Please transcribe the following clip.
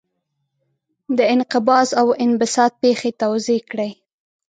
د انقباض او انبساط پېښې توضیح کړئ.